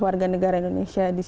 warga negara indonesia